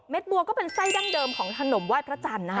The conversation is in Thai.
บัวก็เป็นไส้ดั้งเดิมของขนมไหว้พระจันทร์นะคะ